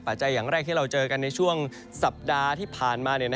จัยอย่างแรกที่เราเจอกันในช่วงสัปดาห์ที่ผ่านมา